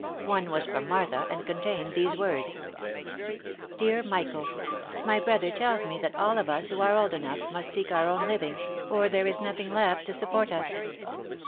One was from Martha, and contained these words :" Dear Michael, " My brother tells me that all of us, who are old enough, must seek our own living, for that there is nothing left to support us.